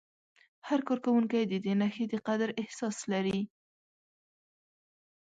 هر کارکوونکی د دې نښې د قدر احساس لري.